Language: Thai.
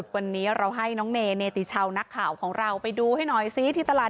ผมเป็นคนก็ไม่สงสัยห์แล้ว